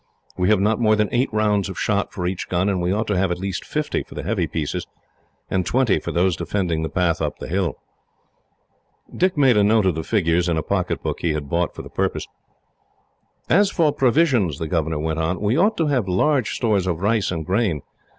We have not more than eight rounds of shot for each gun, and we ought to have at least fifty for the heavy pieces, and twenty for those defending the path up the hill." Dick made a note of the figures, in a pocket book he had bought for the purpose. "As for provisions," the governor went on, "we ought to have large stores of rice and grain.